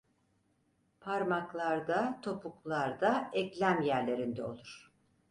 Parmaklarda, topuklarda, eklem yerlerinde olur.